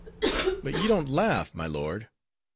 —But you don't laugh, my lord?